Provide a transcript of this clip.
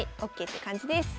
ＯＫって感じです。